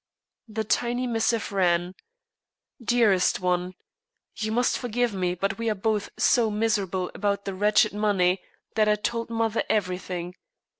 The tiny missive ran: "Dearest One, You must forgive me, but we are both so miserable about that wretched money that I told mother everything.